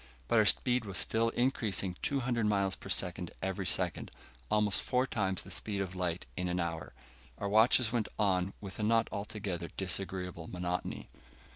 But our speed was still increasing 200 miles a second every second, almost four times the speed of light in an hour. Our watches went on with a not altogether disagreeable monotony.